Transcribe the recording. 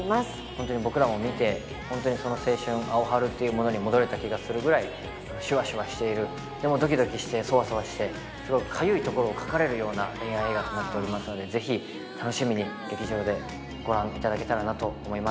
ホントに僕らも見てホントにその青春アオハルっていうものに戻れた気がするぐらいシュワシュワしているでもドキドキしてソワソワしてすごくかゆいところをかかれるような恋愛映画となっておりますのでぜひ楽しみに劇場でご覧いただけたらなと思います